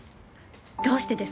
どうしてですか？